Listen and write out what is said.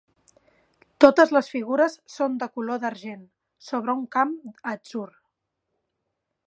Totes les figures són de color d'argent, sobre un camp atzur.